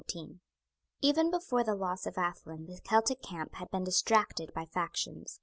Even before the loss of Athlone the Celtic camp had been distracted by factions.